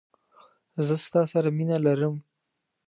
زه ستا سره مینه لرم